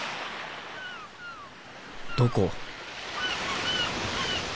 どこ？